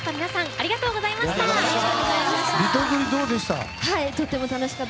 ありがとうございます。